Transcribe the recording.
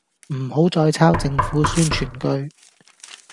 唔好再抄政府宣傳句